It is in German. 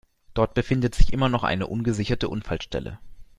Dort befindet sich noch immer eine ungesicherte Unfallstelle.